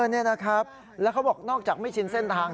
นี่นะครับแล้วเขาบอกนอกจากไม่ชินเส้นทาง